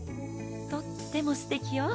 とってもすてきよ！